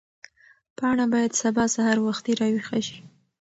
پاڼه باید سبا سهار وختي راویښه شي.